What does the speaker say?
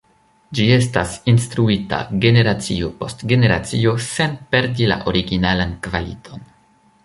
Ĝi estas instruita generacio post generacio sen perdi la originalan kvaliton.